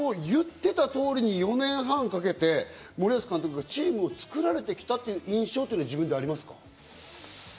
４年半かけて森保監督がチームを作られてきたという印象は自分でありますか？